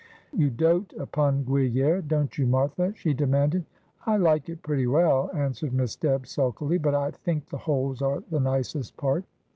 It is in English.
' You doat upon Gruyere, don't you, Martha ?' she demanded. ' I like it pretty well,' answered Miss Dibb sulkily ;' but I think the holes are the nicest part.'